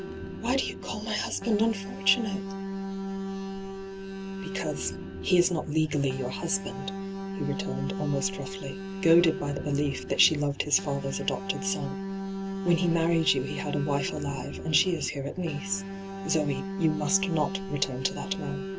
' Why do you call my husband unfortunate V ' Because — he is not legally your husband,' he returned almost roughly, goaded by the belief tliat she loved his father's adopted son. * When he married you he had a wife alive, and she is here at Nice. Zoe, you must not return to that man.